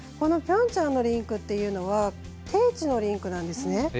ピョンチャンのリンクっていうのは低地のリンクなんですね。